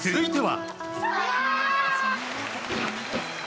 続いては。